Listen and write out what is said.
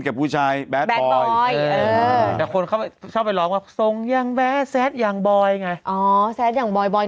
ก็หมายว่าทรงยังแซทแซทยังบอย